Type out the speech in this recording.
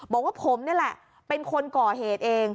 บอกว่าผมนี่แหละเป็นคนก่อเหตุเอง